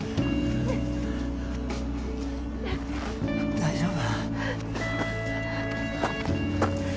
大丈夫？